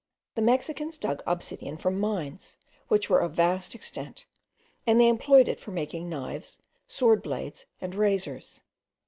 The Mexicans dug obsidian from mines, which were of vast extent; and they employed it for making knives, sword blades, and razors.